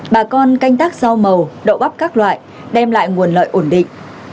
bà con canh tác rau màu đậu bắp các loại đem lại nguồn lợi ổn định